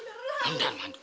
ini yang harus diberikan pak